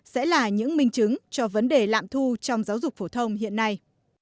sẽ là những minh chứng cho vấn đề lạm thu trong giáo dục phổ thông hiện nay